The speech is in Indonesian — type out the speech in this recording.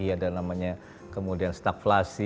ada yang namanya kemudian staflasi